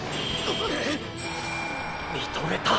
見とれた？